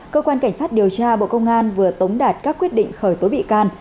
cơ quan cảnh sát điều tra bộ công an vừa tống đạt các quyết định khởi tố bị can